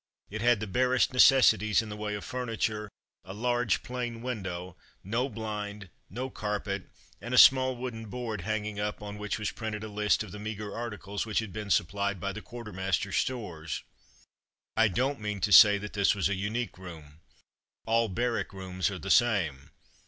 It had the barest necessities in the way of furniture, a large plain window, no blind, no carpet, and a small wooden board hanging up on which was printed a list of the meagre articles which had been supplied by the quartermaster's stores. I don't meant to say this was a unique room. All barrack rooms are the same.